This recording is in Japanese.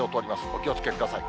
お気をつけください。